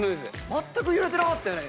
まったく揺れてなかったよね。